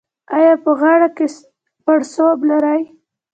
ایا په غاړه کې پړسوب لرئ؟